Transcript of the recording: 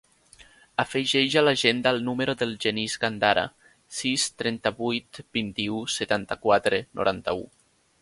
Afegeix a l'agenda el número del Genís Gandara: sis, trenta-vuit, vint-i-u, setanta-quatre, noranta-u.